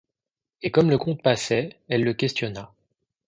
Et, comme le comte passait, elle le questionna.